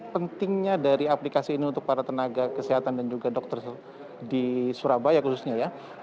pentingnya dari aplikasi ini untuk para tenaga kesehatan dan juga dokter di surabaya khususnya ya